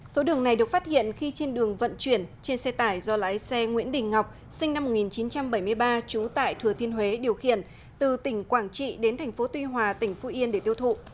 số đường này được phát hiện khi trên đường vận chuyển trên xe tải do lái xe nguyễn đình ngọc sinh năm một nghìn chín trăm bảy mươi ba trú tại thừa thiên huế điều khiển từ tỉnh quảng trị đến thành phố tuy hòa tỉnh phú yên để tiêu thụ